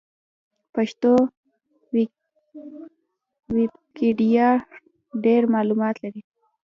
پښتو ويکيپېډيا ډېر معلومات لري.